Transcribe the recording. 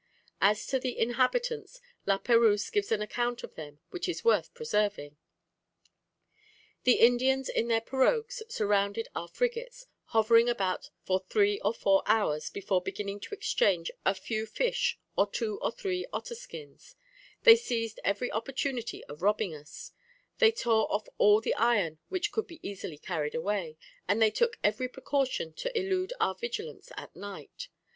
As to the inhabitants, La Perouse gives an account of them which is worth preserving. "The Indians in their pirogues surrounded our frigates, hovering about for three or four hours before beginning to exchange a few fish, or two or three otter skins; they seized every opportunity of robbing us; they tore off all the iron which could be easily carried away, and they took every precaution to elude our vigilance at night.